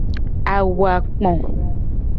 Awu a kpo.